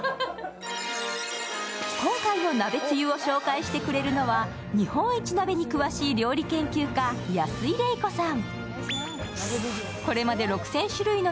今回の鍋つゆを紹介してくれるのは、日本一鍋に詳しい料理研究家、安井レイコさん。